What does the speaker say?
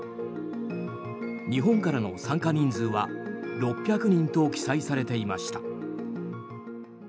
日本からの参加人数は６００人と記載されていました。